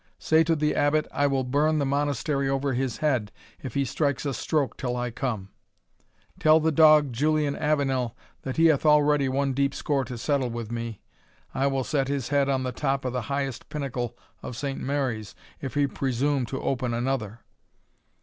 Say to the Abbot, I will burn the Monastery over his head, if he strikes a stroke till I come Tell the dog, Julian Avenel, that he hath already one deep score to settle with me I will set his head on the top of the highest pinnacle of Saint Mary's, if he presume to open another.